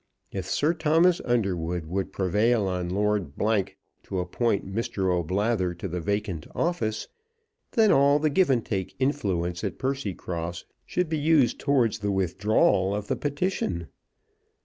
If Sir Thomas Underwood would prevail on Lord to appoint Mr. O'Blather to the vacant office, then all the Givantake influence at Percycross should be used towards the withdrawal of the petition.